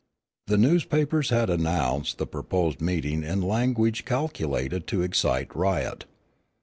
The newspapers had announced the proposed meeting in language calculated to excite riot.